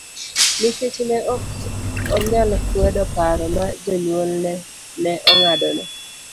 Nikech ne ok onyal kwedo paro ma jonyuolne ne ong'adone